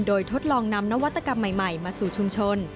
โดยทดลองนำนวัตกรรมใหม่มาสู่ชุมชน